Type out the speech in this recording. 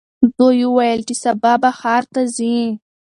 دوی وویل چې سبا به ښار ته ځي.